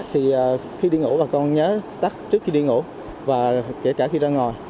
thì khi đi ngủ bà con nhớ tắt trước khi đi ngủ và kể cả khi ra ngoài